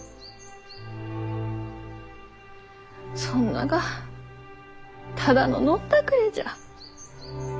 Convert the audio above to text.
そんながただの飲んだくれじゃ。